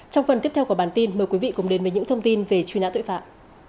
trong phần tiếp theo của bản tin mời quý vị cùng đến với những thông tin về truy nã tội phạm